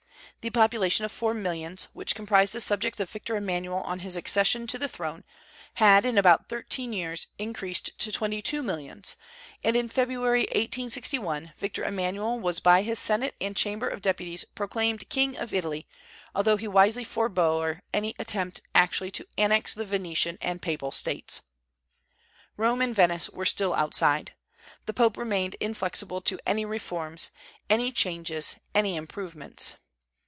The population of four millions, which comprised the subjects of Victor Emmanuel on his accession to the throne, had in about thirteen years increased to twenty two millions; and in February, 1861, Victor Emmanuel was by his Senate and Chamber of Deputies proclaimed King of Italy, although he wisely forbore any attempt actually to annex the Venetian and Papal States. Rome and Venice were still outside. The Pope remained inflexible to any reforms, any changes, any improvements.